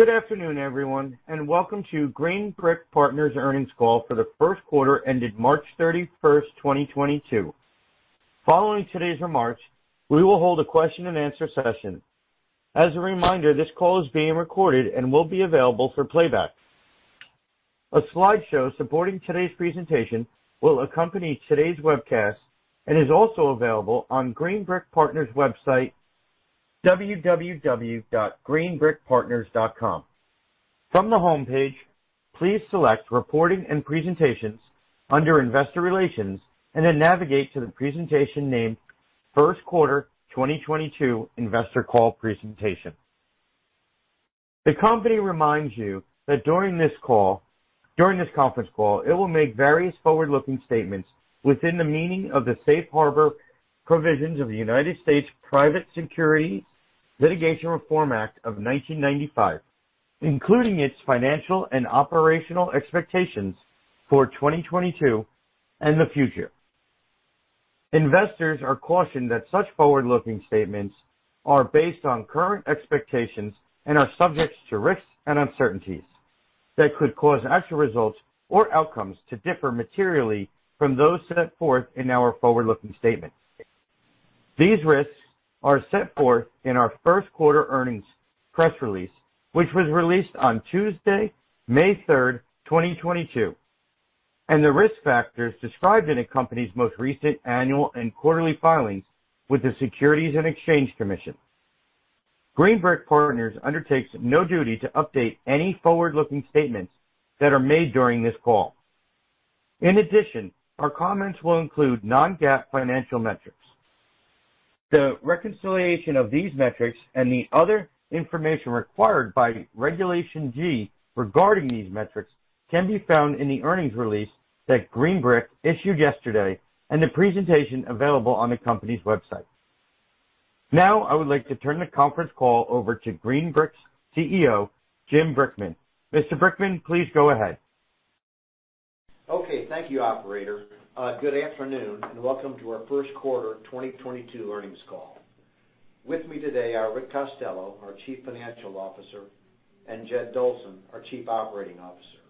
Good afternoon, everyone, and welcome to Green Brick Partners earnings call for the first quarter ended March 31, 2022. Following today's remarks, we will hold a question-and-answer session. As a reminder, this call is being recorded and will be available for playback. A slideshow supporting today's presentation will accompany today's webcast and is also available on Green Brick Partners' website, www.greenbrickpartners.com. From the homepage, please select Reporting and Presentations under Investor Relations, and then navigate to the presentation named First Quarter 2022 Investor Call Presentation. The company reminds you that during this conference call, it will make various forward-looking statements within the meaning of the Safe Harbor provisions of the United States Private Securities Litigation Reform Act of 1995, including its financial and operational expectations for 2022 and the future. Investors are cautioned that such forward-looking statements are based on current expectations and are subject to risks and uncertainties that could cause actual results or outcomes to differ materially from those set forth in our forward-looking statements. These risks are set forth in our first quarter earnings press release, which was released on Tuesday, May 3, 2022, and the risk factors described in the company's most recent annual and quarterly filings with the Securities and Exchange Commission. Green Brick Partners undertakes no duty to update any forward-looking statements that are made during this call. In addition, our comments will include non-GAAP financial metrics. The reconciliation of these metrics and the other information required by Regulation G regarding these metrics can be found in the earnings release that Green Brick issued yesterday and the presentation available on the company's website. Now, I would like to turn the conference call over to Green Brick's CEO, Jim Brickman. Mr. Brickman, please go ahead. Okay. Thank you, operator. Good afternoon, and welcome to our first quarter 2022 earnings call. With me today are Rick Costello, our Chief Financial Officer, and Jed Dolson, our Chief Operating Officer.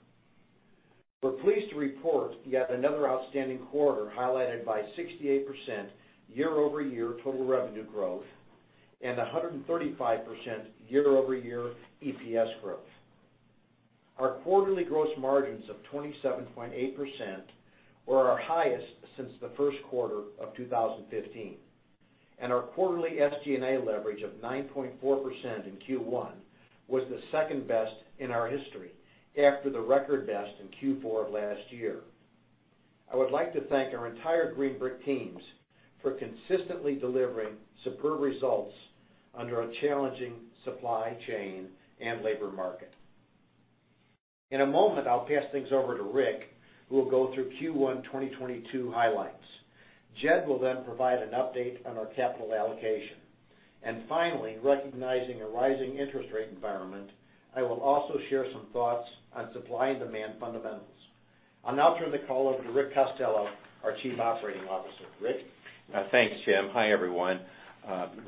We're pleased to report yet another outstanding quarter highlighted by 68% year-over-year total revenue growth and 135% year-over-year EPS growth. Our quarterly gross margins of 27.8% were our highest since the first quarter of 2015, and our quarterly SG&A leverage of 9.4% in Q1 was the second best in our history after the record best in Q4 of last year. I would like to thank our entire Green Brick teams for consistently delivering superb results under a challenging supply chain and labor market. In a moment, I'll pass things over to Rick, who will go through Q1 2022 highlights. Jed will then provide an update on our capital allocation. Finally, recognizing a rising interest rate environment, I will also share some thoughts on supply and demand fundamentals. I'll now turn the call over to Rick Costello, our Chief Financial Officer. Rick? Thanks, Jim. Hi, everyone.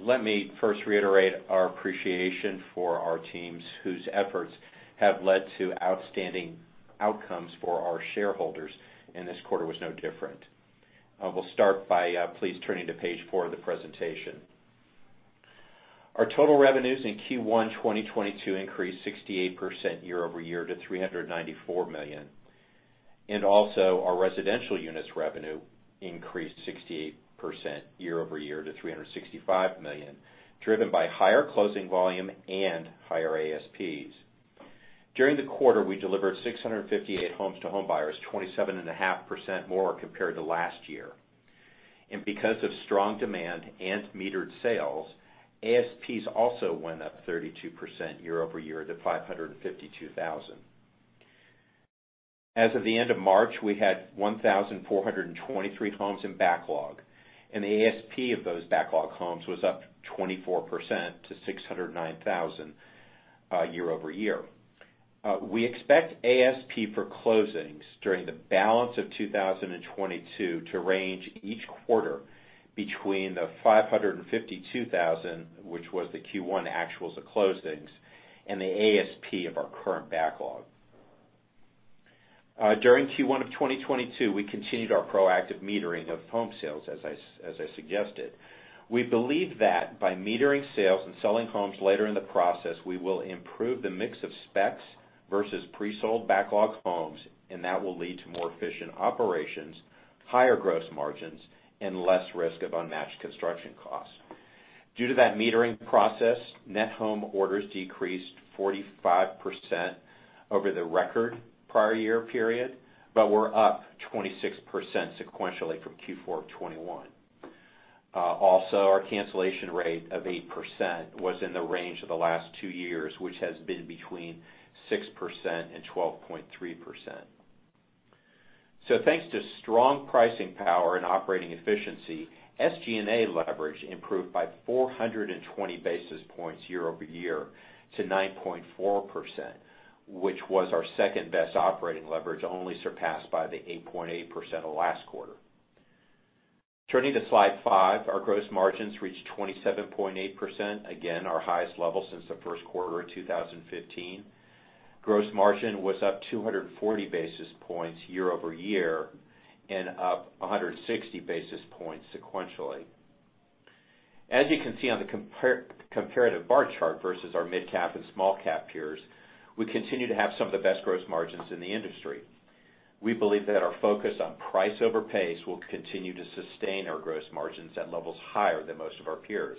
Let me first reiterate our appreciation for our teams whose efforts have led to outstanding outcomes for our shareholders, and this quarter was no different. We'll start by please turning to page four of the presentation. Our total revenues in Q1 2022 increased 68% year-over-year to $394 million. Also, our residential units revenue increased 68% year-over-year to $365 million, driven by higher closing volume and higher ASPs. During the quarter, we delivered 658 homes to homebuyers, 27.5% more compared to last year. Because of strong demand and metered sales, ASPs also went up 32% year-over-year to $552,000. As of the end of March, we had 1,423 homes in backlog, and the ASP of those backlog homes was up 24% to $609,000 year-over-year. We expect ASP for closings during the balance of 2022 to range each quarter between $552,000, which was the Q1 actuals of closings, and the ASP of our current backlog. During Q1 of 2022, we continued our proactive metering of home sales, as I suggested. We believe that by metering sales and selling homes later in the process, we will improve the mix of specs versus pre-sold backlog homes, and that will lead to more efficient operations, higher gross margins, and less risk of unmatched construction costs. Due to that metering process, net home orders decreased 45% over the record prior year period, but were up 26% sequentially from Q4 of 2021. Our cancellation rate of 8% was in the range of the last two years, which has been between 6% and 12.3%. Thanks to strong pricing power and operating efficiency, SG&A leverage improved by 420 basis points year-over-year to 9.4%, which was our second-best operating leverage, only surpassed by the 8.8% of last quarter. Turning to slide five. Our gross margins reached 27.8%, again, our highest level since the first quarter of 2015. Gross margin was up 240 basis points year-over-year, and up 160 basis points sequentially. As you can see on the comparative bar chart versus our midcap and small cap peers, we continue to have some of the best gross margins in the industry. We believe that our focus on price over pace will continue to sustain our gross margins at levels higher than most of our peers.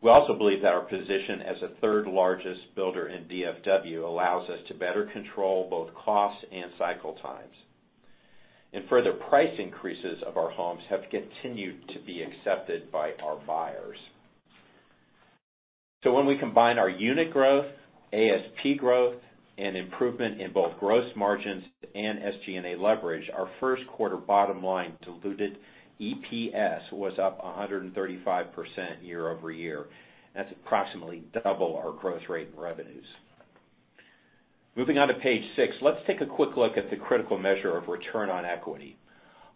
We also believe that our position as the third-largest builder in DFW allows us to better control both costs and cycle times. Further price increases of our homes have continued to be accepted by our buyers. When we combine our unit growth, ASP growth, and improvement in both gross margins and SG&A leverage, our first quarter bottom line diluted EPS was up 135% year-over-year. That's approximately double our growth rate in revenues. Moving on to page six, let's take a quick look at the critical measure of return on equity.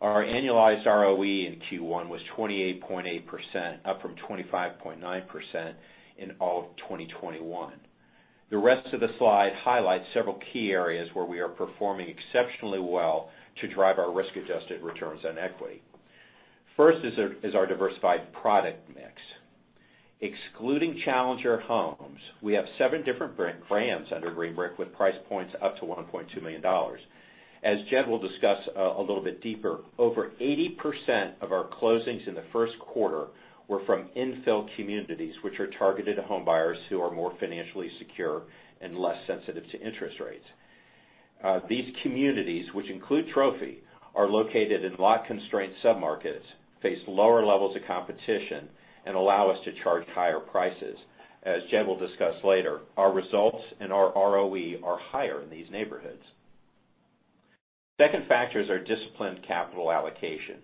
Our annualized ROE in Q1 was 28.8%, up from 25.9% in all of 2021. The rest of the slide highlights several key areas where we are performing exceptionally well to drive our risk-adjusted returns on equity. First is our diversified product mix. Excluding Challenger Homes, we have seven different brands under Green Brick with price points up to $1.2 million. As Jed will discuss a little bit deeper, over 80% of our closings in the first quarter were from infill communities, which are targeted to homebuyers who are more financially secure and less sensitive to interest rates. These communities, which include Trophy, are located in lot-constrained submarkets, face lower levels of competition, and allow us to charge higher prices. As Jed will discuss later, our results and our ROE are higher in these neighborhoods. Second factor is our disciplined capital allocation.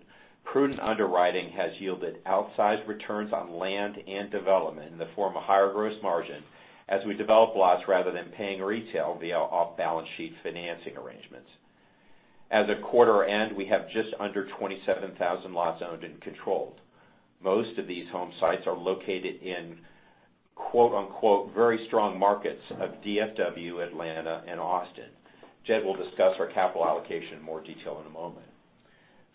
Prudent underwriting has yielded outsized returns on land and development in the form of higher gross margin as we develop lots rather than paying retail via off-balance-sheet financing arrangements. At quarter-end, we have just under 27,000 lots owned and controlled. Most of these home sites are located in “very strong markets” of DFW, Atlanta, and Austin. Jed will discuss our capital allocation in more detail in a moment.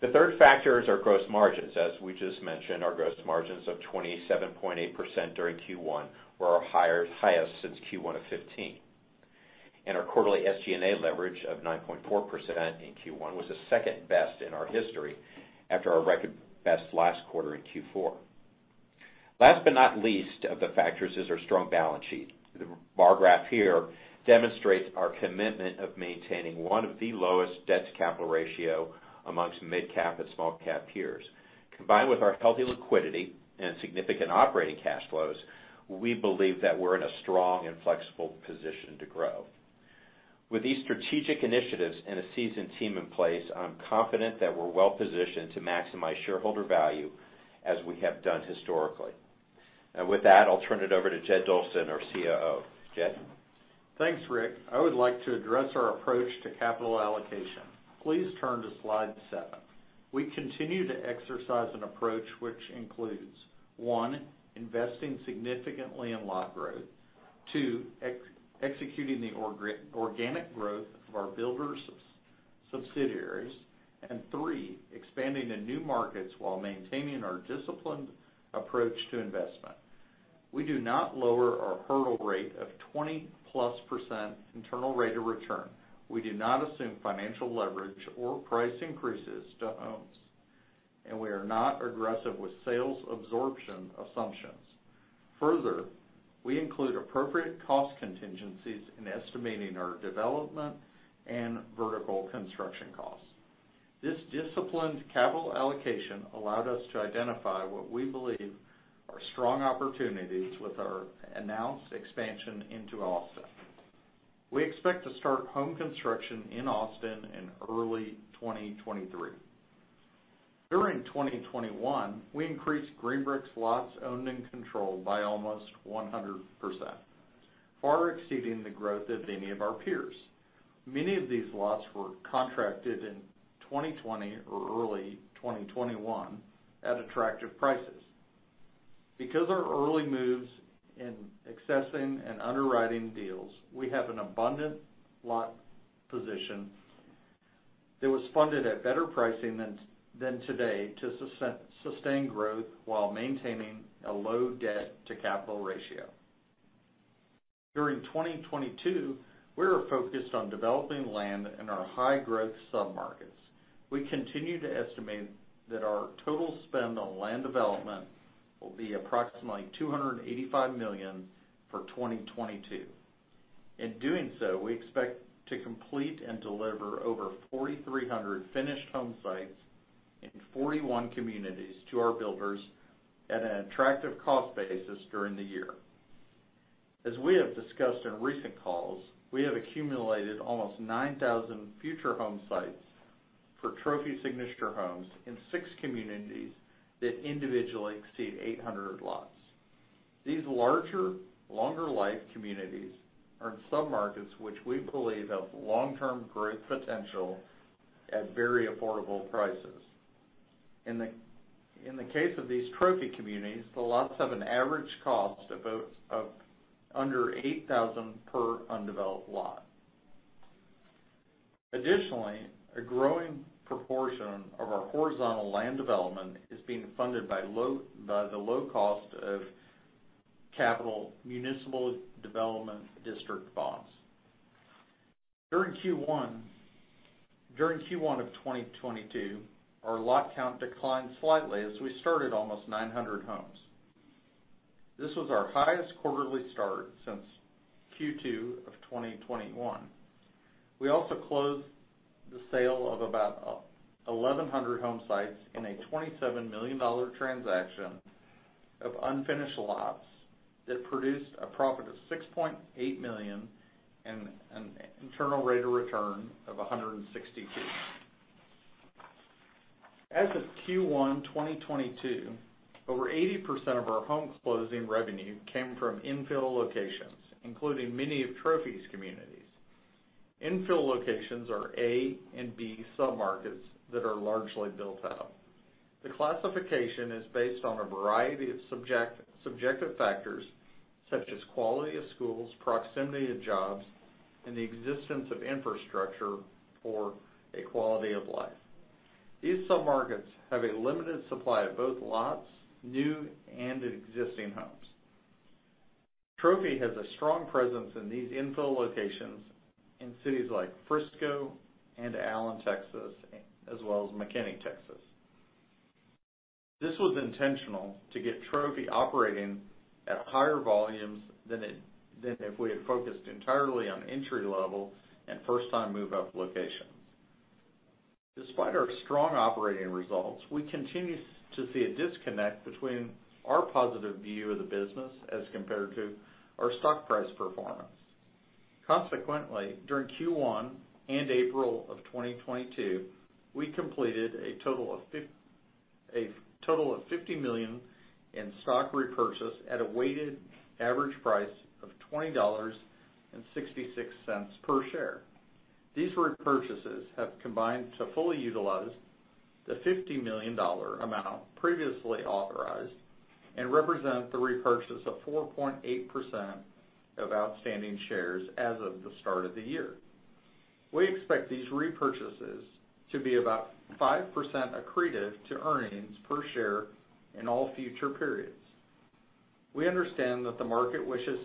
The third factor is our gross margins. As we just mentioned, our gross margins of 27.8% during Q1 were our highest since Q1 of 2015. Our quarterly SG&A leverage of 9.4% in Q1 was the second best in our history after our record best last quarter in Q4. Last but not least of the factors is our strong balance sheet. The bar graph here demonstrates our commitment of maintaining one of the lowest debt-to-capital ratio amongst midcap and small cap peers. Combined with our healthy liquidity and significant operating cash flows, we believe that we're in a strong and flexible position to grow. With these strategic initiatives and a seasoned team in place, I'm confident that we're well-positioned to maximize shareholder value as we have done historically. With that, I'll turn it over to Jed Dolson, our COO. Jed? Thanks, Rick. I would like to address our approach to capital allocation. Please turn to slide seven. We continue to exercise an approach which includes, one, investing significantly in lot growth, two, executing the organic growth of our builders' subsidiaries, and three, expanding to new markets while maintaining our disciplined approach to investment. We do not lower our hurdle rate of 20+% internal rate of return. We do not assume financial leverage or price increases to homes, and we are not aggressive with sales absorption assumptions. Further, we include appropriate cost contingencies in estimating our development and vertical construction costs. This disciplined capital allocation allowed us to identify what we believe are strong opportunities with our announced expansion into Austin. We expect to start home construction in Austin in early 2023. During 2021, we increased Green Brick's lots owned and controlled by almost 100%, far exceeding the growth of any of our peers. Many of these lots were contracted in 2020 or early 2021 at attractive prices. Because our early moves in accessing and underwriting deals, we have an abundant lot position that was funded at better pricing than today to sustain growth while maintaining a low debt-to-capital ratio. During 2022, we are focused on developing land in our high-growth submarkets. We continue to estimate that our total spend on land development will be approximately $285 million for 2022. In doing so, we expect to complete and deliver over 4,300 finished home sites in 41 communities to our builders at an attractive cost basis during the year. As we have discussed in recent calls, we have accumulated almost 9,000 future home sites for Trophy Signature Homes in six communities that individually exceed 800 lots. These larger, longer life communities are in some markets which we believe have long-term growth potential at very affordable prices. In the case of these Trophy communities, the lots have an average cost of about under $8,000 per undeveloped lot. Additionally, a growing proportion of our horizontal land development is being funded by the low cost of capital municipal development district bonds. During Q1 of 2022, our lot count declined slightly as we started almost 900 homes. This was our highest quarterly start since Q2 of 2021. We also closed the sale of about 1,100 home sites in a $27 million transaction of unfinished lots that produced a profit of $6.8 million and an internal rate of return of 162. As of Q1 2022, over 80% of our home closing revenue came from infill locations, including many of Trophy's communities. Infill locations are A and B submarkets that are largely built out. The classification is based on a variety of subjective factors such as quality of schools, proximity to jobs, and the existence of infrastructure for a quality of life. These submarkets have a limited supply of both lots, new and existing homes. Trophy has a strong presence in these infill locations in cities like Frisco and Allen, Texas, as well as McKinney, Texas. This was intentional to get Trophy operating at higher volumes than if we had focused entirely on entry-level and first-time move-up locations. Despite our strong operating results, we continue to see a disconnect between our positive view of the business as compared to our stock price performance. Consequently, during Q1 and April of 2022, we completed a total of $50 million in stock repurchase at a weighted average price of $20.66 per share. These repurchases have combined to fully utilize the $50 million amount previously authorized and represent the repurchase of 4.8% of outstanding shares as of the start of the year. We expect these repurchases to be about 5% accretive to earnings per share in all future periods. We understand that the market wishes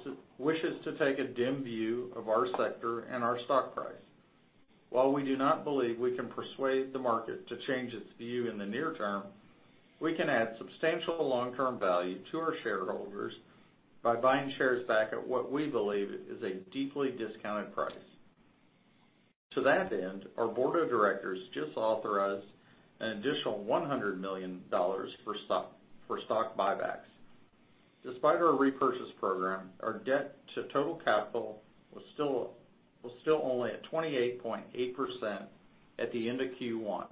to take a dim view of our sector and our stock price. While we do not believe we can persuade the market to change its view in the near term, we can add substantial long-term value to our shareholders by buying shares back at what we believe is a deeply discounted price. To that end, our board of directors just authorized an additional $100 million for stock buybacks. Despite our repurchase program, our debt to total capital was still only at 28.8% at the end of Q1,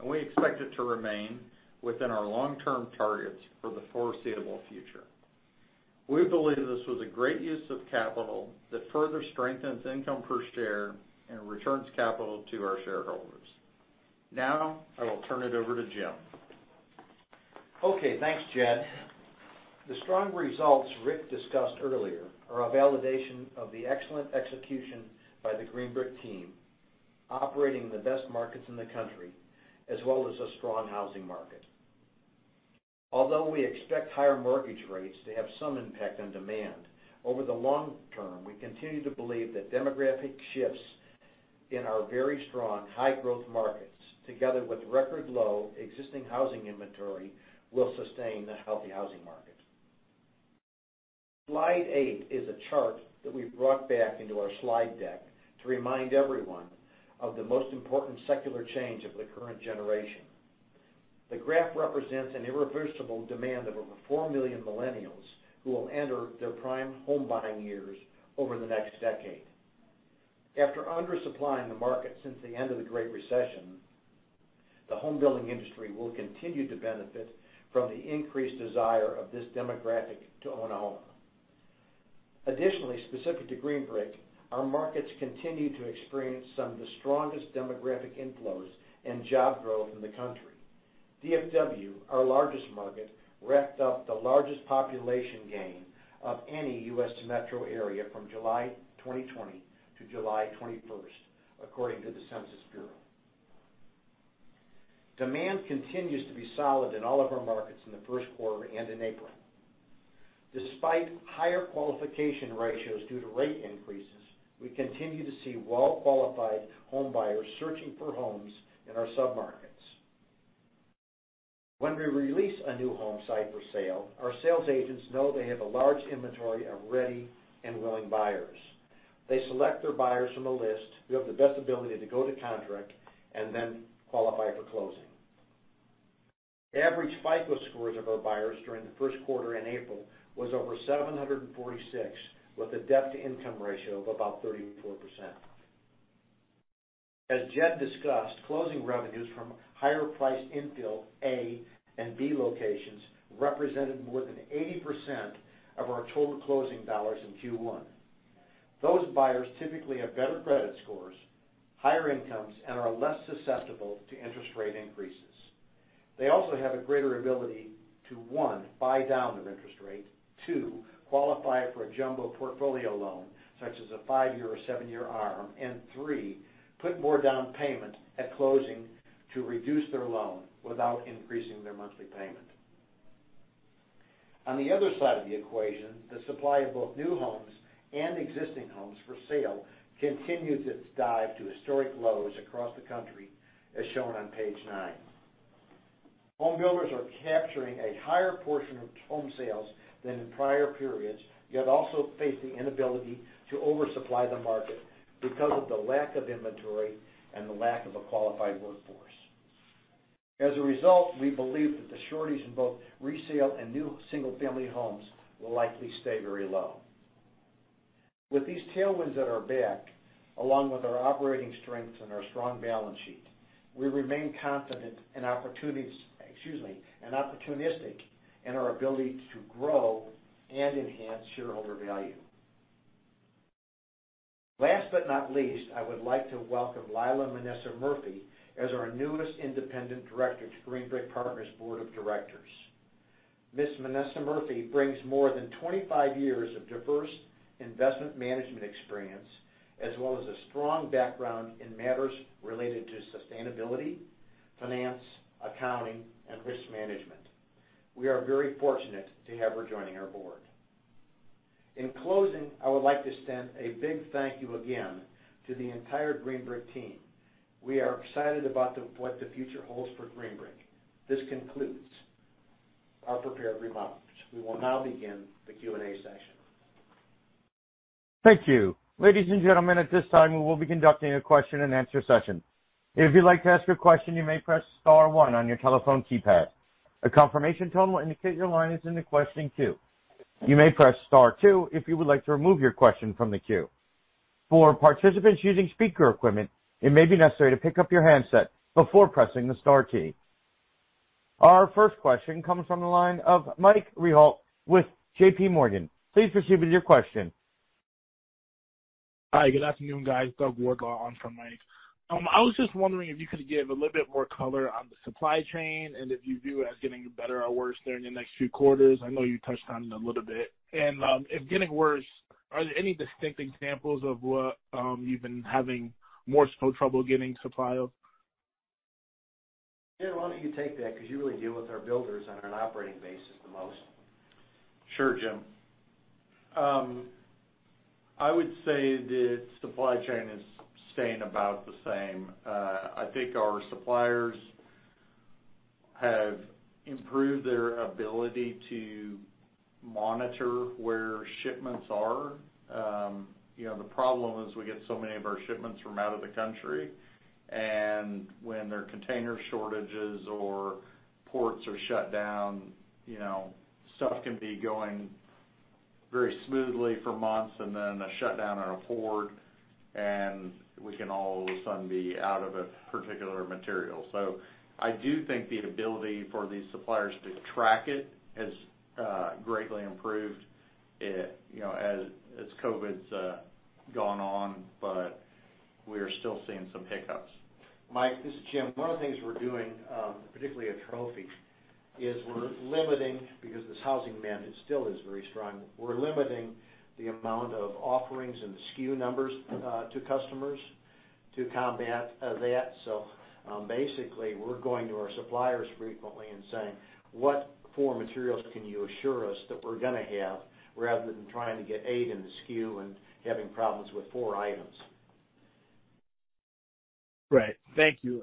and we expect it to remain within our long-term targets for the foreseeable future. We believe this was a great use of capital that further strengthens income per share and returns capital to our shareholders. Now, I will turn it over to Jim. Okay. Thanks, Jed. The strong results Rick discussed earlier are a validation of the excellent execution by the Green Brick team, operating the best markets in the country, as well as a strong housing market. Although we expect higher mortgage rates to have some impact on demand, over the long term, we continue to believe that demographic shifts in our very strong high-growth markets, together with record low existing housing inventory, will sustain a healthy housing market. Slide eight is a chart that we've brought back into our slide deck to remind everyone of the most important secular change of the current generation. The graph represents an irreversible demand of over 4 million millennials who will enter their prime home buying years over the next decade. After undersupplying the market since the end of the Great Recession, the home building industry will continue to benefit from the increased desire of this demographic to own a home. Additionally, specific to Green Brick, our markets continue to experience some of the strongest demographic inflows and job growth in the country. DFW, our largest market, racked up the largest population gain of any U.S. metro area from July 2020 to July 2021, according to the Census Bureau. Demand continues to be solid in all of our markets in the first quarter and in April. Despite higher qualification ratios due to rate increases, we continue to see well-qualified home buyers searching for homes in our submarkets. When we release a new home site for sale, our sales agents know they have a large inventory of ready and willing buyers. They select their buyers from a list who have the best ability to go to contract and then qualify for closing. Average FICO scores of our buyers during the first quarter in April was over 746, with a debt-to-income ratio of about 34%. As Jed discussed, closing revenues from higher priced infill A and B locations represented more than 80% of our total closing dollars in Q1. Those buyers typically have better credit scores, higher incomes, and are less susceptible to interest rate increases. They also have a greater ability to, one, buy down their interest rate. Two, qualify for a jumbo portfolio loan such as a five-year or seven-year ARM. Three, put more down payment at closing to reduce their loan without increasing their monthly payment. On the other side of the equation, the supply of both new homes and existing homes for sale continues its dive to historic lows across the country, as shown on page nine. Home builders are capturing a higher portion of home sales than in prior periods, yet also face the inability to oversupply the market because of the lack of inventory and the lack of a qualified workforce. As a result, we believe that the shortage in both resale and new single-family homes will likely stay very low. With these tailwinds at our back, along with our operating strengths and our strong balance sheet, we remain confident and opportunistic in our ability to grow and enhance shareholder value. Last but not least, I would like to welcome Lila Manassa Murphy as our newest independent director to Green Brick Partners Board of Directors. Ms. Lila Manassa Murphy brings more than 25 years of diverse investment management experience, as well as a strong background in matters related to sustainability, finance, accounting, and risk management. We are very fortunate to have her joining our board. In closing, I would like to extend a big thank you again to the entire Green Brick team. We are excited about what the future holds for Green Brick. This concludes our prepared remarks. We will now begin the Q&A session. Thank you. Ladies and gentlemen, at this time, we will be conducting a question-and-answer session. If you'd like to ask a question, you may press star one on your telephone keypad. A confirmation tone will indicate your line is in the question queue. You may press star two if you would like to remove your question from the queue. For participants using speaker equipment, it may be necessary to pick up your handset before pressing the star key. Our first question comes from the line of Michael Rehaut with JPMorgan. Please proceed with your question. Hi, good afternoon, guys. Doug Ward on for Mike. I was just wondering if you could give a little bit more color on the supply chain, and if you view it as getting better or worse during the next few quarters. I know you touched on it a little bit. If getting worse, are there any distinct examples of what, you've been having more so trouble getting supply of? Jed, why don't you take that? Because you really deal with our builders on an operating basis the most. Sure, Jim. I would say the supply chain is staying about the same. I think our suppliers have improved their ability to monitor where shipments are. You know, the problem is we get so many of our shipments from out of the country, and when there are container shortages or ports are shut down, you know, stuff can be going very smoothly for months and then a shutdown or a port, and we can all of a sudden be out of a particular material. I do think the ability for these suppliers to track it has greatly improved, you know, as COVID's gone on, but we are still seeing some hiccups. Mike, this is Jim Brickman. One of the things we're doing, particularly at Trophy, is limiting because this housing demand is still very strong. We're limiting the amount of offerings and the SKU numbers to customers to combat that. Basically, we're going to our suppliers frequently and saying, "What four materials can you assure us that we're gonna have?" Rather than trying to get eight in the SKU and having problems with four items. Right. Thank you.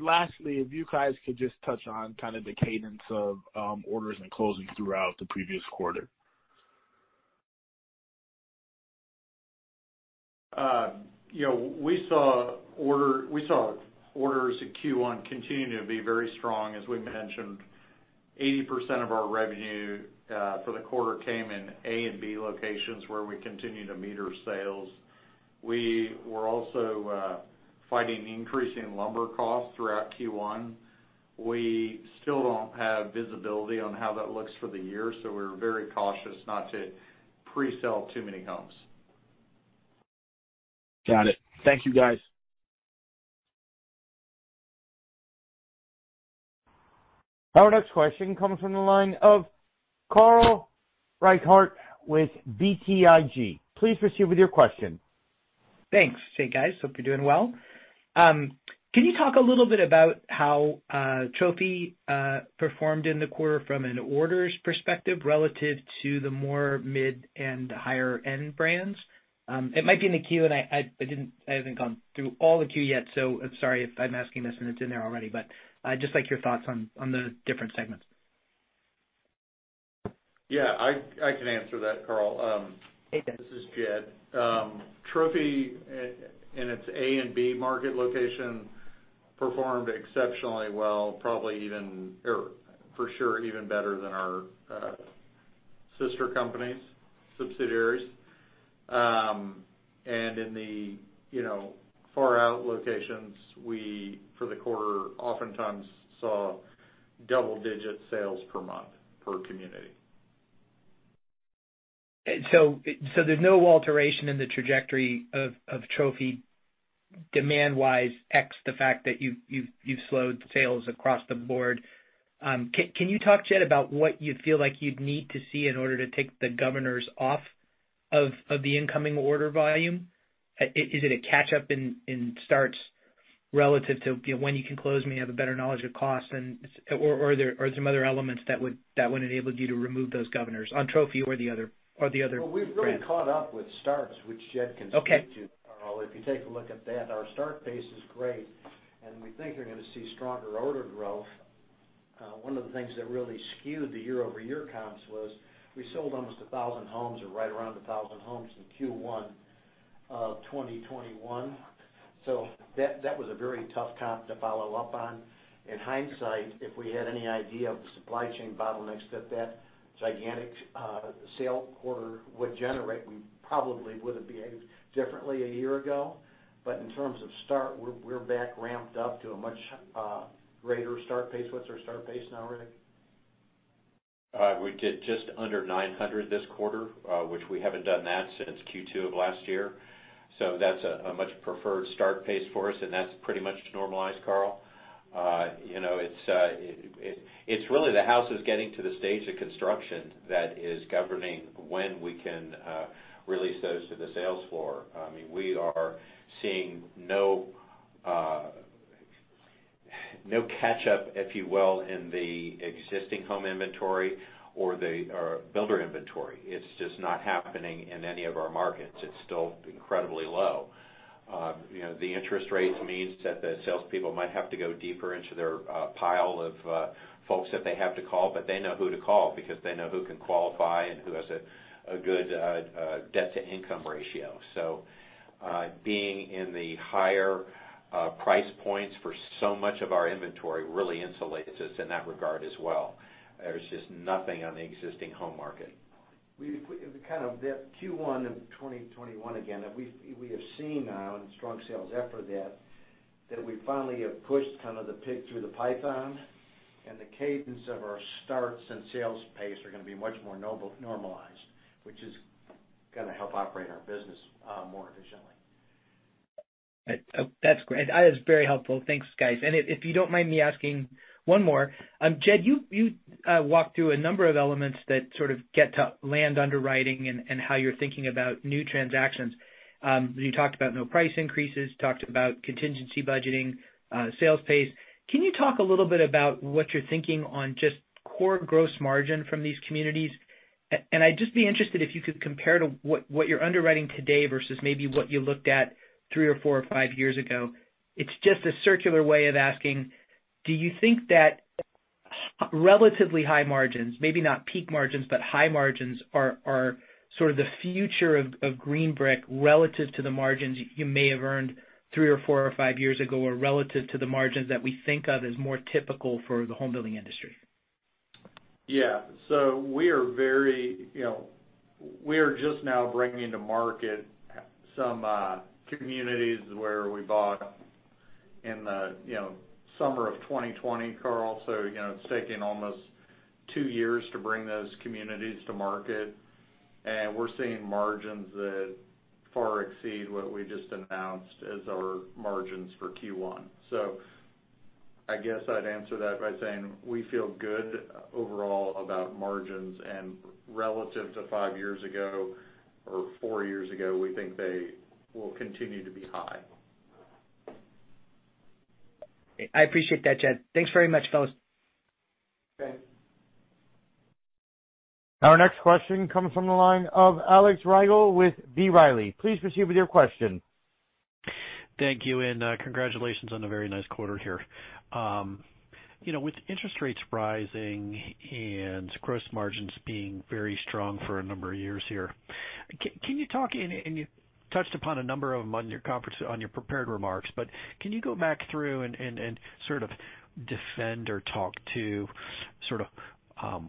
Lastly, if you guys could just touch on kind of the cadence of orders and closings throughout the previous quarter. You know, we saw orders in Q1 continue to be very strong. As we mentioned, 80% of our revenue for the quarter came in A and B locations where we continue to meter sales. We were also fighting increasing lumber costs throughout Q1. We still don't have visibility on how that looks for the year, so we're very cautious not to pre-sell too many homes. Got it. Thank you, guys. Our next question comes from the line of Carl Reichardt with BTIG. Please proceed with your question. Thanks. Hey, guys, hope you're doing well. Can you talk a little bit about how Trophy performed in the quarter from an orders perspective relative to the more mid and higher end brands? It might be in the queue, and I haven't gone through all the queue yet, so sorry if I'm asking this and it's in there already. I'd just like your thoughts on the different segments. Yeah, I can answer that, Carl. Hey, Jed. This is Jed. Trophy Signature Homes in its A and B market location performed exceptionally well, probably even or for sure even better than our. Sister companies, subsidiaries. In the, you know, far out locations, we for the quarter oftentimes saw double-digit sales per month per community. There's no alteration in the trajectory of Trophy demand-wise, except the fact that you've slowed sales across the board. Can you talk, Jed, about what you feel like you'd need to see in order to take the governors off of the incoming order volume? Is it a catch-up in starts relative to, you know, when you can close, maybe have a better knowledge of costs, or are there some other elements that would enable you to remove those governors on Trophy or the other brands? Well, we've really caught up with starts, which Jed can speak to. Okay Carl. If you take a look at that, our start pace is great, and we think you're gonna see stronger order growth. One of the things that really skewed the year-over-year comps was we sold almost 1,000 homes or right around 1,000 homes in Q1 of 2021. That was a very tough comp to follow up on. In hindsight, if we had any idea of the supply chain bottlenecks that that gigantic sale quarter would generate, we probably would have behaved differently a year ago. In terms of start, we're back ramped up to a much greater start pace. What's our start pace now, Rick? We did just under 900 this quarter, which we haven't done that since Q2 of last year. That's a much preferred start pace for us, and that's pretty much normalized, Carl. You know, it's really the houses getting to the stage of construction that is governing when we can release those to the sales floor. I mean, we are seeing no catch-up, if you will, in the existing home inventory or the builder inventory. It's just not happening in any of our markets. It's still incredibly low. You know, the interest rates means that the salespeople might have to go deeper into their pile of folks that they have to call, but they know who to call because they know who can qualify and who has a good debt-to-income ratio. Being in the higher price points for so much of our inventory really insulates us in that regard as well. There's just nothing on the existing home market. We kind of had that Q1 of 2021 again, that we have seen now and strong sales after that we finally have pushed kind of the pig through the python, and the cadence of our starts and sales pace are gonna be much more normalized, which is gonna help operate our business more efficiently. That's great. That is very helpful. Thanks, guys. If you don't mind me asking one more. Jed, you walked through a number of elements that sort of get to land underwriting and how you're thinking about new transactions. You talked about no price increases, talked about contingency budgeting, sales pace. Can you talk a little bit about what you're thinking on just core gross margin from these communities? I'd just be interested if you could compare to what you're underwriting today versus maybe what you looked at three or four or five years ago. It's just a circular way of asking, do you think that relatively high margins, maybe not peak margins, but high margins are sort of the future of Green Brick relative to the margins you may have earned three or four or five years ago or relative to the margins that we think of as more typical for the home building industry? Yeah. We are very, you know, we are just now bringing to market some communities where we bought in the, you know, summer of 2020, Carl. It's taking almost two years to bring those communities to market. We're seeing margins that far exceed what we just announced as our margins for Q1. I guess I'd answer that by saying we feel good overall about margins and relative to five years ago or four years ago, we think they will continue to be high. I appreciate that, Jed. Thanks very much, fellas. Thanks. Our next question comes from the line of Alex Rygiel with B. Riley. Please proceed with your question. Thank you and congratulations on a very nice quarter here. You know, with interest rates rising and gross margins being very strong for a number of years here, can you talk, and you touched upon a number of them on your prepared remarks, but can you go back through and sort of defend or talk to sort of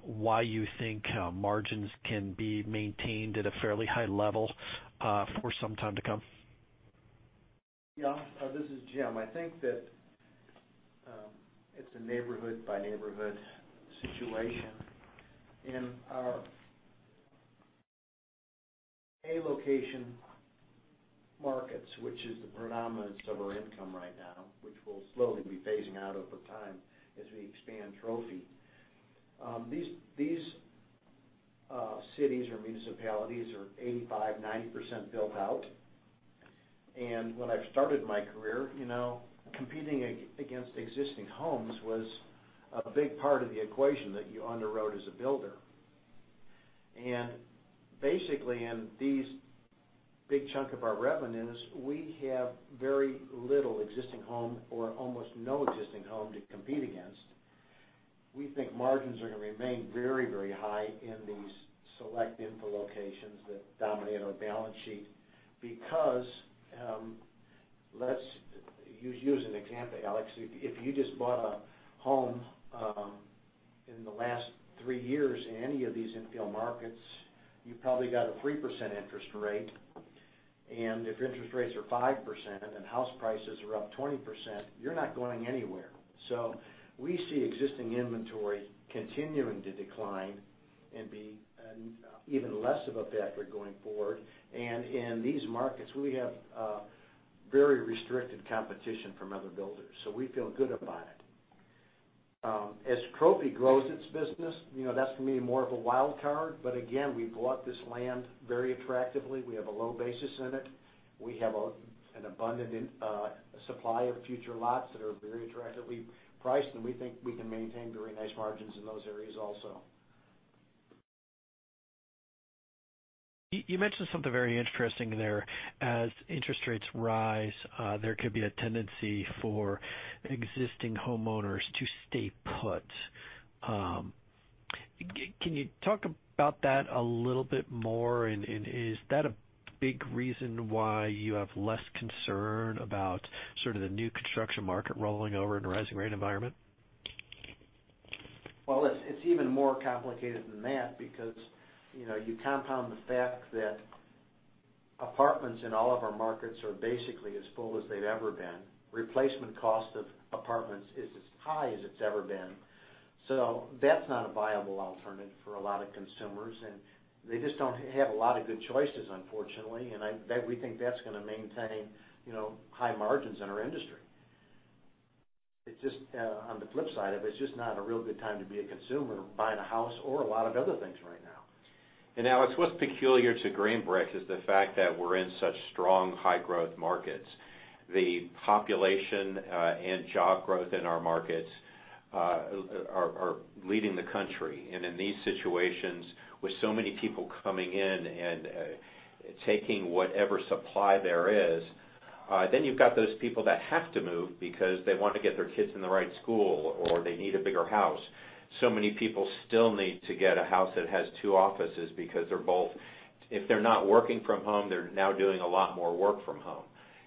why you think margins can be maintained at a fairly high level for some time to come? Yeah. This is Jim. I think that it's a neighborhood by neighborhood situation. In our A location markets, which is the predominance of our income right now, which we'll slowly be phasing out over time as we expand Trophy, these cities or municipalities are 85%-90% built out. When I started my career, you know, competing against existing homes was a big part of the equation that you underwrote as a builder. Basically, in these big chunk of our revenues, we have very little existing home or almost no existing home to compete against. We think margins are gonna remain very, very high in these select infill locations that dominate our balance sheet because, let's use you as an example, Alex. If you just bought a home in the last three years in any of these infill markets, you probably got a 3% interest rate. If interest rates are 5% and house prices are up 20%, you're not going anywhere. We see existing inventory continuing to decline and even less of a factor going forward. In these markets, we have very restricted competition from other builders, so we feel good about it. As Trophy grows its business, you know, that's gonna be more of a wild card. Again, we bought this land very attractively. We have a low basis in it. We have an abundant supply of future lots that are very attractively priced, and we think we can maintain very nice margins in those areas also. You mentioned something very interesting there. As interest rates rise, there could be a tendency for existing homeowners to stay put. Can you talk about that a little bit more? Is that a big reason why you have less concern about sort of the new construction market rolling over in a rising rate environment? Well, it's even more complicated than that because, you know, you compound the fact that apartments in all of our markets are basically as full as they've ever been. Replacement cost of apartments is as high as it's ever been. So that's not a viable alternative for a lot of consumers, and they just don't have a lot of good choices, unfortunately. We think that's gonna maintain, you know, high margins in our industry. It's just on the flip side of it's just not a real good time to be a consumer buying a house or a lot of other things right now. Alex, what's peculiar to Green Brick is the fact that we're in such strong high growth markets. The population and job growth in our markets are leading the country. In these situations, with so many people coming in and taking whatever supply there is, then you've got those people that have to move because they want to get their kids in the right school, or they need a bigger house. So many people still need to get a house that has two offices because they're both. If they're not working from home, they're now doing a lot more work from home.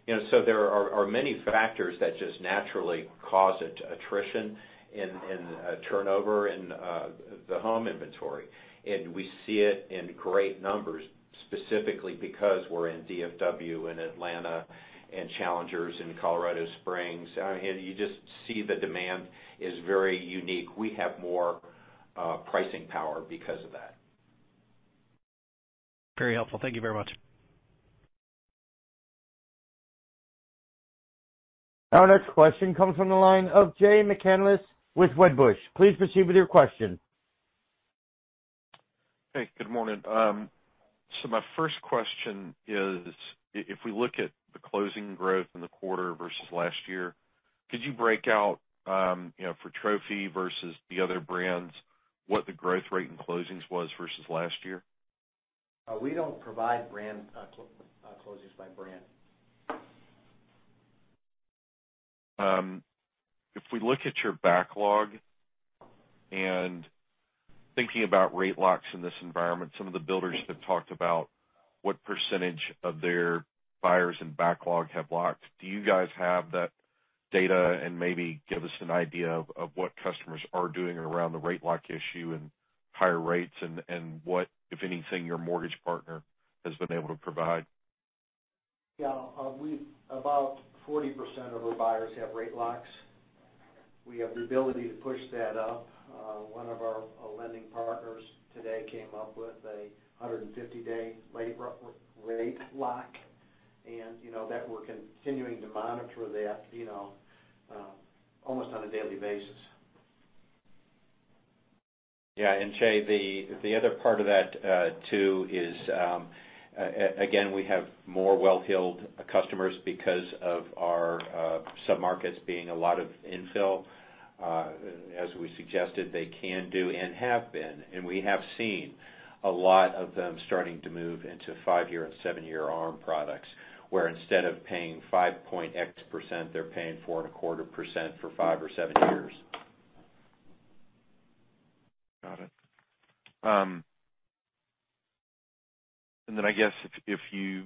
You know, so there are many factors that just naturally cause attrition and turnover in the home inventory. We see it in great numbers, specifically because we're in DFW and Atlanta and Challenger's in Colorado Springs. You just see the demand is very unique. We have more pricing power because of that. Very helpful. Thank you very much. Our next question comes from the line of Jay McCanless with Wedbush. Please proceed with your question. Hey, good morning. My first question is, if we look at the closing growth in the quarter versus last year, could you break out, you know, for Trophy versus the other brands, what the growth rate in closings was versus last year? We don't provide brand closings by brand. If we look at your backlog and thinking about rate locks in this environment, some of the builders have talked about what percentage of their buyers and backlog have locked. Do you guys have that data and maybe give us an idea of what customers are doing around the rate lock issue and higher rates and what, if anything, your mortgage partner has been able to provide? We've about 40% of our buyers have rate locks. We have the ability to push that up. One of our lending partners today came up with a 150-day longer rate lock. You know, that we're continuing to monitor that, you know, almost on a daily basis. Yeah. Jay, the other part of that too is, again, we have more well-heeled customers because of our submarkets being a lot of infill. As we suggested, they can do and have been, and we have seen a lot of them starting to move into five-year and seven-year ARM products, where instead of paying 5.x%, they're paying 4.25% for five or seven years. Got it. I guess if you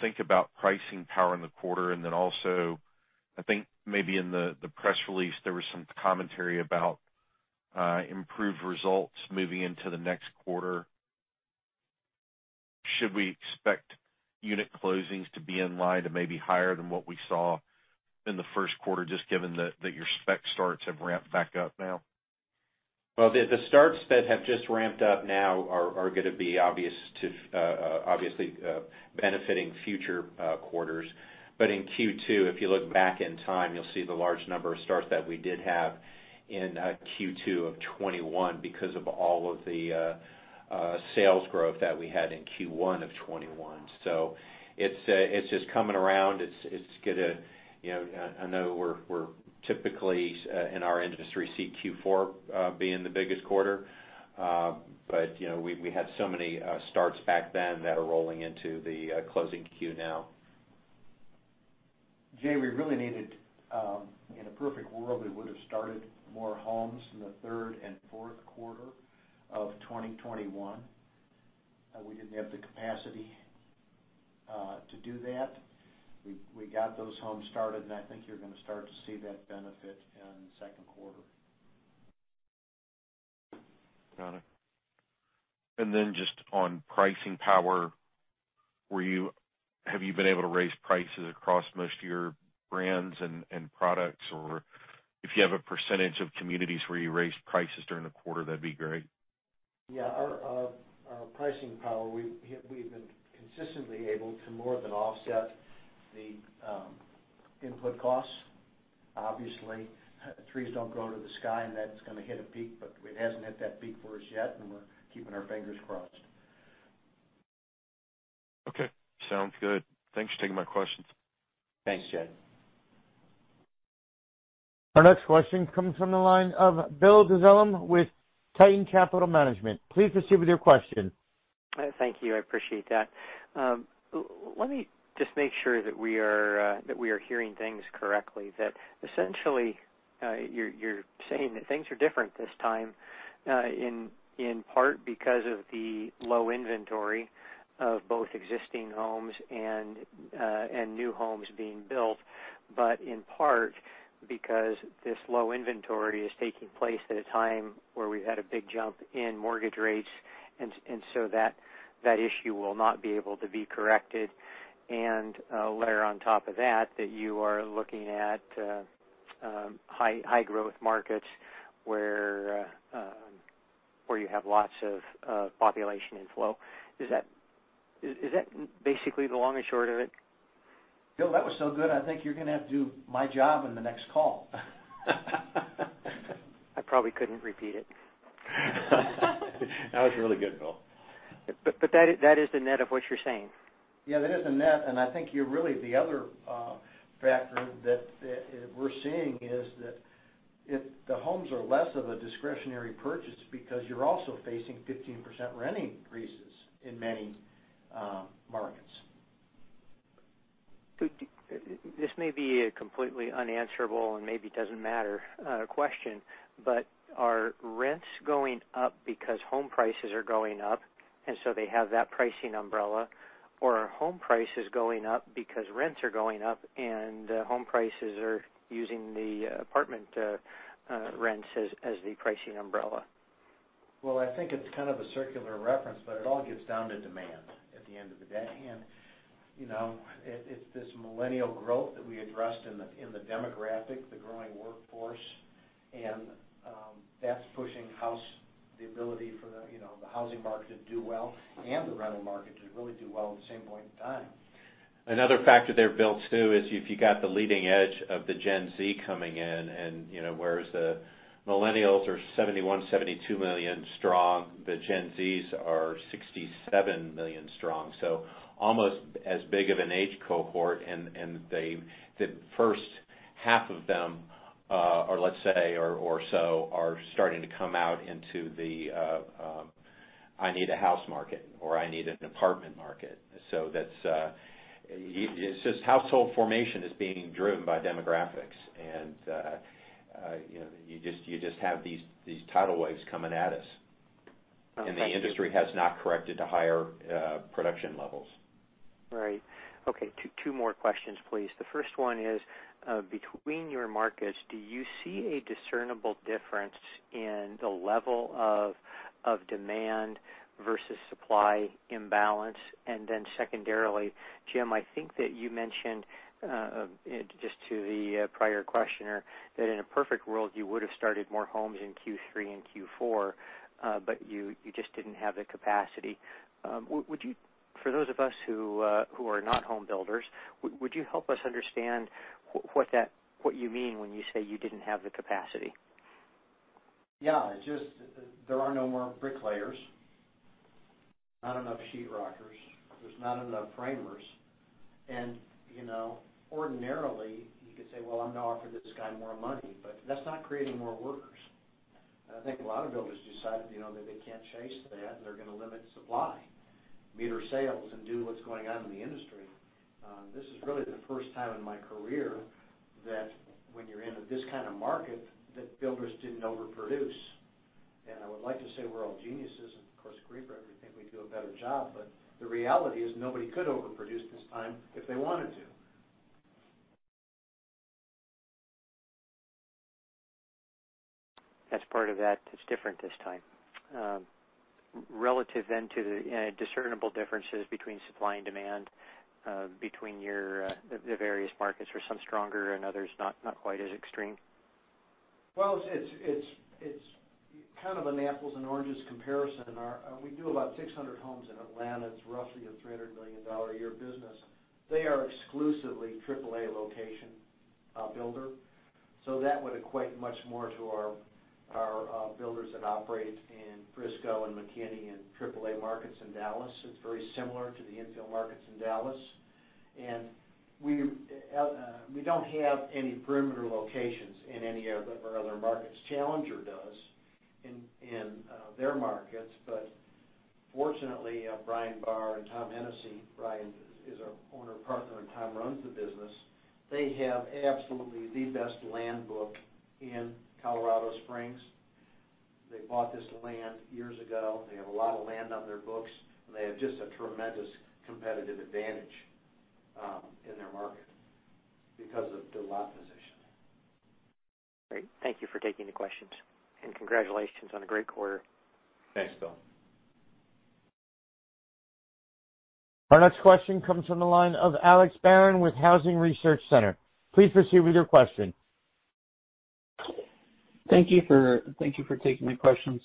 think about pricing power in the quarter, also, I think maybe in the press release, there was some commentary about improved results moving into the next quarter. Should we expect unit closings to be in line to maybe higher than what we saw in the first quarter, just given that your spec starts have ramped back up now? The starts that have just ramped up now are gonna be obviously benefiting future quarters. In Q2, if you look back in time, you'll see the large number of starts that we did have in Q2 of 2021 because of all of the sales growth that we had in Q1 of 2021. It's just coming around. It's gonna, you know. I know we're typically in our industry see Q4 being the biggest quarter. You know, we had so many starts back then that are rolling into the closings now. Jay, we really needed, in a perfect world, we would have started more homes in the third and fourth quarter of 2021. We didn't have the capacity to do that. We got those homes started, and I think you're gonna start to see that benefit in the second quarter. Got it. Just on pricing power, have you been able to raise prices across most of your brands and products? Or if you have a percentage of communities where you raised prices during the quarter, that'd be great. Yeah. Our pricing power, we've been consistently able to more than offset the input costs. Obviously, trees don't go to the sky, and that's gonna hit a peak, but it hasn't hit that peak for us yet, and we're keeping our fingers crossed. Okay. Sounds good. Thanks for taking my questions. Thanks, Jay. Our next question comes from the line of Bill Dezellem with Tieton Capital Management. Please proceed with your question. Thank you. I appreciate that. Let me just make sure that we are hearing things correctly, that essentially, you're saying that things are different this time, in part because of the low inventory of both existing homes and new homes being built, but in part because this low inventory is taking place at a time where we had a big jump in mortgage rates, and so that issue will not be able to be corrected. Layer on top of that you are looking at high growth markets where you have lots of population inflow. Is that basically the long and short of it? Bill, that was so good. I think you're gonna have to do my job in the next call. I probably couldn't repeat it. That was really good, Bill. That is the net of what you're saying. Yeah, that is the net, and I think you're really the other factor that we're seeing is that if the homes are less of a discretionary purchase because you're also facing 15% rent increases in many markets. This may be a completely unanswerable and maybe doesn't matter question, but are rents going up because home prices are going up, and so they have that pricing umbrella? Or are home prices going up because rents are going up and home prices are using the apartment rents as the pricing umbrella? Well, I think it's kind of a circular reference, but it all gets down to demand at the end of the day. You know, it's this millennial growth that we addressed in the demographic, the growing workforce, and that's pushing housing, the ability for the, you know, the housing market to do well and the rental market to really do well at the same point in time. Another factor there, Bill, too, is if you've got the leading edge of the Gen Z coming in and, you know, whereas the millennials are 71, 72 million strong, the Gen Zs are 67 million strong, so almost as big of an age cohort. The first half of them are starting to come out into the I need a house market or I need an apartment market. That's just household formation is being driven by demographics. You know, you just have these tidal waves coming at us. Okay. The industry has not corrected to higher production levels. Right. Okay. Two more questions, please. The first one is, between your markets, do you see a discernible difference in the level of demand versus supply imbalance? Secondarily, Jim, I think that you mentioned, just to the prior questioner that in a perfect world, you would have started more homes in Q3 and Q4, but you just didn't have the capacity. Would you, for those of us who are not home builders, would you help us understand what you mean when you say you didn't have the capacity? Yeah. It's just there are no more bricklayers, not enough sheetrockers, there's not enough framers. You know, ordinarily, you could say, "Well, I'm gonna offer this guy more money," but that's not creating more workers. I think a lot of builders decided, you know, that they can't chase that. They're gonna limit supply, meter sales and do what's going on in the industry. This is really the first time in my career that when you're in this kind of market that builders didn't overproduce. I would like to say we're all geniuses, and of course, Green Brick would think we'd do a better job. The reality is nobody could overproduce this time if they wanted to. That's part of that it's different this time. Relative then to the, you know, discernible differences between supply and demand, between your, the various markets. Are some stronger and others not quite as extreme? Well, it's kind of an apples and oranges comparison. We do about 600 homes in Atlanta. It's roughly a $300 million a year business. They are exclusively AAA location builder. So that would equate much more to our builders that operate in Frisco and McKinney and AAA markets in Dallas. It's very similar to the infill markets in Dallas. We don't have any perimeter locations in any of our other markets. Challenger does in their markets. But Fortunately, Brian Bahr and Tom Hennessy, Brian is our owner partner, and Tom runs the business. They have absolutely the best land book in Colorado Springs. They bought this land years ago. They have a lot of land on their books, and they have just a tremendous competitive advantage in their market because of their lot position. Great. Thank you for taking the questions, and congratulations on a great quarter. Thanks, Bill. Our next question comes from the line of Alex Barron with Housing Research Center. Please proceed with your question. Thank you for taking my questions.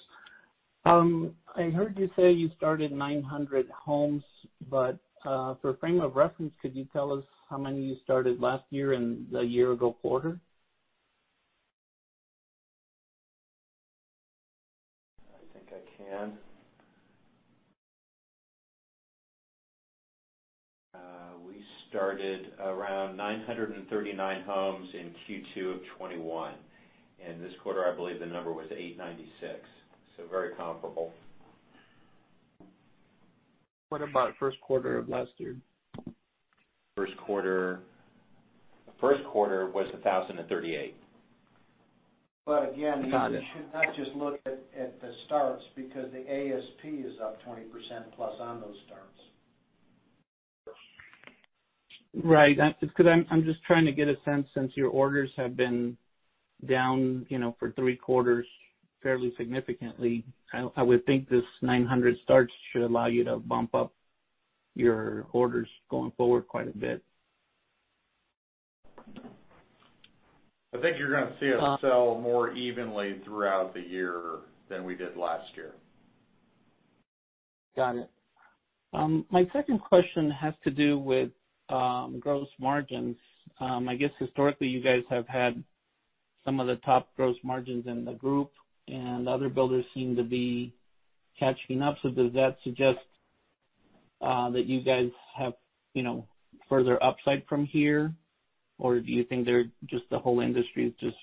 I heard you say you started 900 homes, but for frame of reference, could you tell us how many you started last year and a year ago quarter? I think I can. We started around 939 homes in Q2 of 2021. This quarter, I believe the number was 896, so very comparable. What about first quarter of last year? First quarter was 1,038. Got it. Again, you should not just look at the starts because the ASP is up 20%+ on those starts. Right. It's 'cause I'm just trying to get a sense, since your orders have been down, you know, for three quarters fairly significantly. I would think this 900 starts should allow you to bump up your orders going forward quite a bit. I think you're gonna see us sell more evenly throughout the year than we did last year. Got it. My second question has to do with gross margins. I guess historically, you guys have had some of the top gross margins in the group, and other builders seem to be catching up. Does that suggest that you guys have, you know, further upside from here? Or do you think they're just the whole industry is just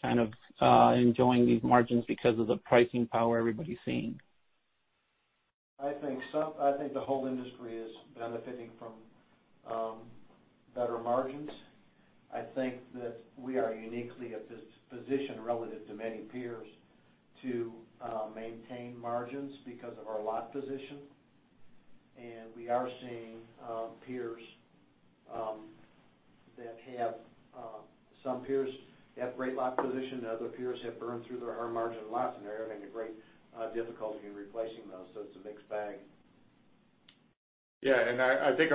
kind of enjoying these margins because of the pricing power everybody's seeing? I think so. I think the whole industry is benefiting from better margins. I think that we are uniquely at this position relative to many peers to maintain margins because of our lot position. We are seeing some peers have great lot position, other peers have burned through their hard margin lots, and they're having great difficulty in replacing those. It's a mixed bag. Yeah. I think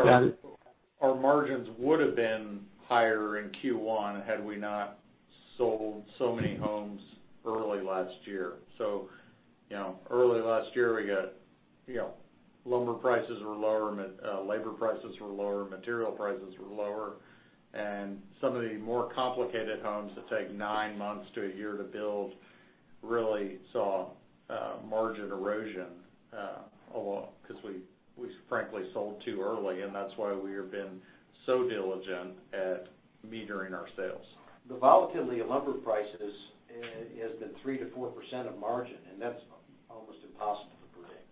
our margins would have been higher in Q1 had we not sold so many homes early last year. You know, early last year, lumber prices were lower, labor prices were lower, material prices were lower. Some of the more complicated homes that take nine months to a year to build really saw margin erosion a lot because we frankly sold too early, and that's why we have been so diligent at metering our sales. The volatility of lumber prices has been 3%-4% of margin, and that's almost impossible to predict.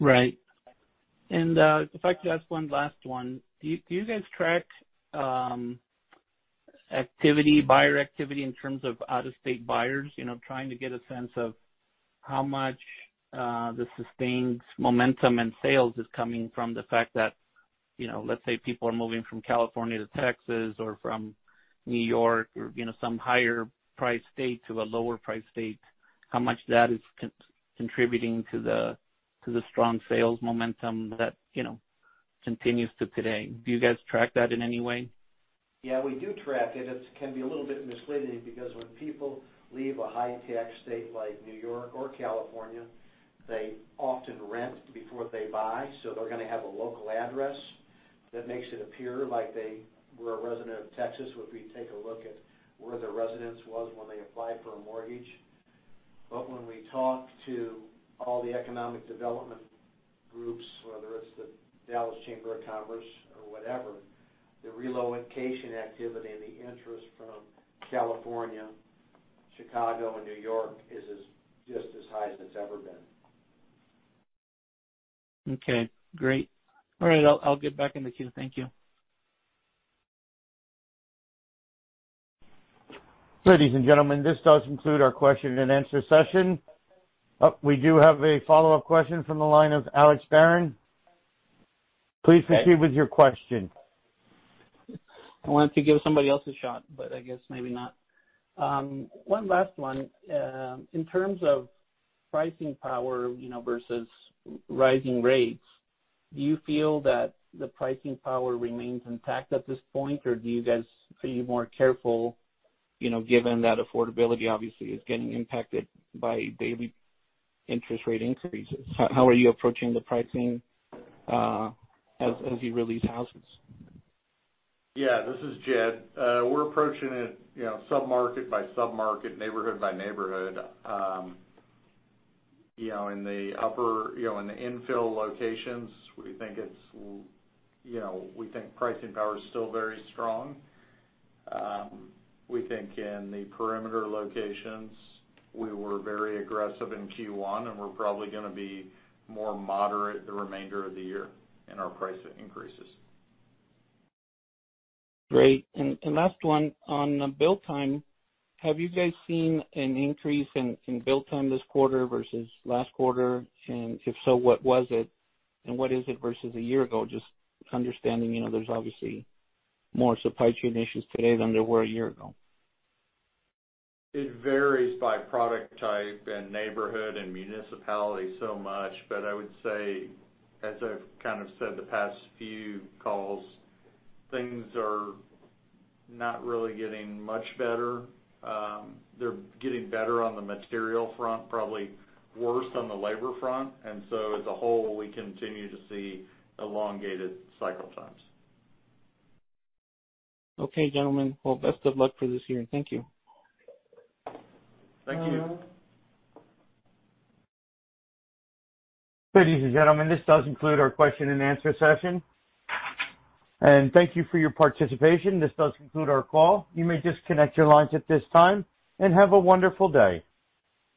Right. If I could ask one last one. Do you guys track activity, buyer activity in terms of out-of-state buyers? You know, trying to get a sense of how much the sustained momentum and sales is coming from the fact that, you know, let's say people are moving from California to Texas or from New York or, you know, some higher priced state to a lower priced state, how much that is contributing to the strong sales momentum that, you know, continues to today. Do you guys track that in any way? Yeah, we do track it. It can be a little bit misleading because when people leave a high tax state like New York or California, they often rent before they buy, so they're gonna have a local address that makes it appear like they were a resident of Texas, where we take a look at where their residence was when they applied for a mortgage. When we talk to all the economic development groups, whether it's the Dallas Regional Chamber or whatever, the relocation activity and the interest from California, Chicago and New York is just as high as it's ever been. Okay, great. All right. I'll get back in the queue. Thank you. Ladies and gentlemen, this does conclude our question and answer session. We do have a follow-up question from the line of Alex Barron. Please proceed with your question. I wanted to give somebody else a shot, but I guess maybe not. One last one. In terms of pricing power, you know, versus rising rates, do you feel that the pricing power remains intact at this point, or do you guys feel you're more careful, you know, given that affordability obviously is getting impacted by daily interest rate increases? How are you approaching the pricing, as you release houses? This is Jed. We're approaching it, you know, sub-market by sub-market, neighborhood by neighborhood. You know, in the infill locations, we think it's, you know, we think pricing power is still very strong. We think in the perimeter locations, we were very aggressive in Q1, and we're probably gonna be more moderate the remainder of the year in our price increases. Great. Last one on the build time, have you guys seen an increase in build time this quarter versus last quarter? If so, what was it and what is it versus a year ago? Just understanding, you know, there's obviously more supply chain issues today than there were a year ago. It varies by product type and neighborhood and municipality so much. I would say, as I've kind of said the past few calls, things are not really getting much better. They're getting better on the material front, probably worse on the labor front. As a whole, we continue to see elongated cycle times. Okay, gentlemen. Well, best of luck for this year, and thank you. Thank you. Ladies and gentlemen, this does conclude our question and answer session. Thank you for your participation. This does conclude our call. You may disconnect your lines at this time, and have a wonderful day.